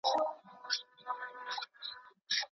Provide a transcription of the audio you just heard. چي مي څو ځله د وران او د زاړه سړک پر غاړه